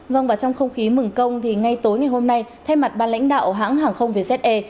vâng và trong không khí mừng công thì ngay tối ngày hôm nay thay mặt ban lãnh đạo hãng hàng không vze